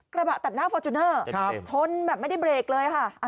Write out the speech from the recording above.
กระบะตัดหน้าฟอร์จูเนอร์ชนแบบไม่ได้เบรกเลยค่ะ